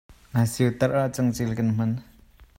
Nga siotarh ah cangcel kan hman.